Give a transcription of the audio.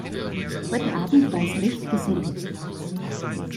Heute Abend war es recht gesellig.